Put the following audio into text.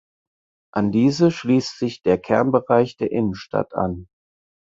An diese schließt sich der Kernbereich der Innenstadt an.